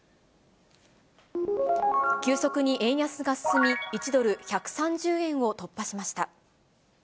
急速に円安が進み、１ドル１３０円を突破しました。